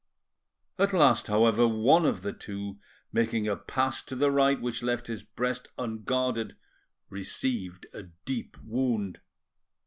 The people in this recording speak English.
At last, however, one of the two, making a pass to the right which left his breast unguarded, received a deep wound.